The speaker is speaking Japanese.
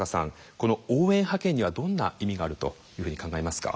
この応援派遣にはどんな意味があるというふうに考えますか？